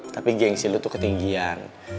tapi gengsi lu tuh ketinggian